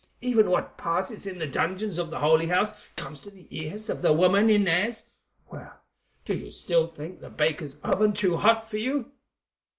Even what passes in the dungeons of the Holy House comes to the ears of the woman Inez. Well, do you still think that baker's oven too hot for you?"